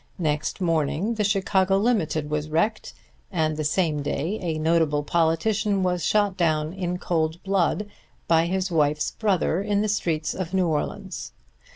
Next morning the Chicago Limited was wrecked, and the same day a notable politician was shot down in cold blood by his wife's brother in the streets of New Orleans.